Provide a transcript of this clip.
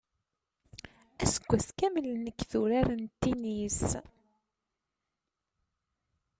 Aseggas kamel nekk d urar n tinis.